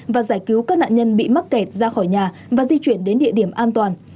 và giải cứu các nạn nhân bị mắc kẹt ra khỏi nhà và di chuyển đến địa điểm an toàn